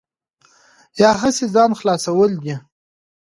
یا هسې ځان خلاصول دي.